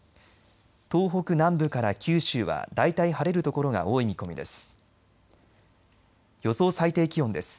東北南部から九州は大体晴れるところが多い見込みです。